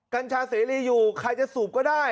กัญชาเสรีอยู่ใครจะสูบก็ได้